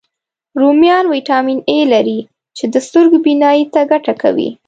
رومیان ویټامین A لري، چې د سترګو بینایي ته ګټه کوي